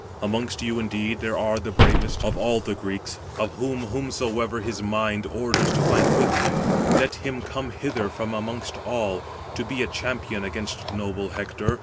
Amongst you, indeed, there are the bravest of all the Greeks, of whom whomsoever his mind orders to fight with me, let him come hither from amongst all, to be a champion against noble Hector.